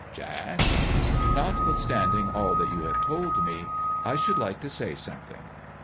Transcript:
"Jack?" " Notwithstanding all that you have told me, I should like to say something."